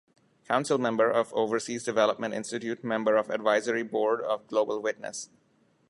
Council member of Overseas Development Institute Member of Advisory Board of Global Witness.